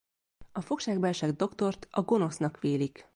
A fogságba esett Doktort a Gonosznak vélik.